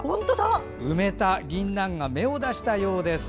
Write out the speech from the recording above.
埋めたぎんなんが芽を出したようです。